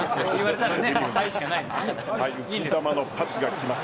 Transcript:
浮き球のパスがきます